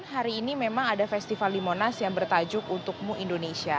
hari ini memang ada festival di monas yang bertajuk untukmu indonesia